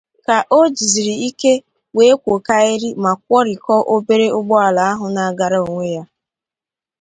ka o jizịrị ike wee kwòkaịrị ma kwọrikọọ obere ụgbọala ahụ na-agara onwe ya